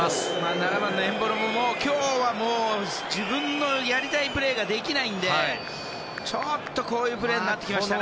７番のエンボロも今日は自分のやりたいプレーができないんで、ちょっとこういうプレーになってきましたね。